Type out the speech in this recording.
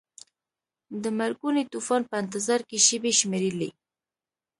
د مرګوني طوفان په انتظار کې شیبې شمیرلې.